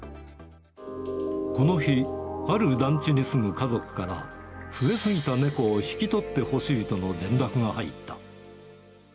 この日、ある団地に住む家族から、増え過ぎた猫を引き取ってほしいとの連絡が入った。